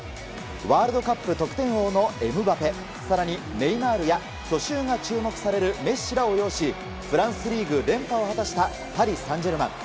ワールドカップ得点王のエムバペ更にネイマールや去就が注目されるメッシらを擁しフランスリーグ連覇を果たしたパリ・サンジェルマン。